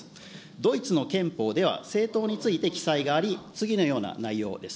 ドイツの憲法では政党について記載があり、次のような内容です。